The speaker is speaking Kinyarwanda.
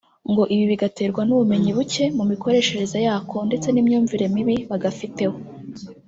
ngo ibi bigaterwa n’ubumenyi buke mu mikoreshereze yako ndetse n’imyumvire mibi bagafiteho